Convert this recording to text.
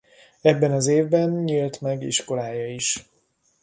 Ebben az évben nyílt meg iskolája is.